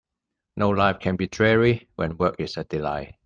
No life can be dreary when work is a delight.